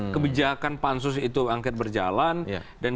kebijakan pansus itu angket berjalan dan